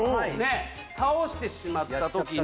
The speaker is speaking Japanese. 倒してしまった時に。